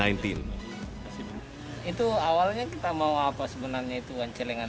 itu awalnya kita mau apa sebenarnya itu uang celengan